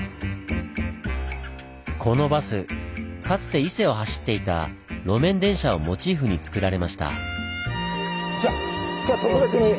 このバスかつて伊勢を走っていた路面電車をモチーフにつくられました。